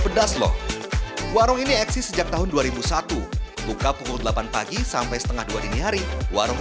pedas loh warung ini eksis sejak tahun dua ribu satu buka pukul delapan pagi sampai setengah dua dini hari warung